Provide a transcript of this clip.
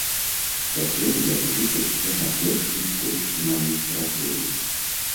Цяпер ён вучыцца на першым курсе магістратуры.